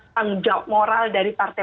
tanggung jawab moral dari partai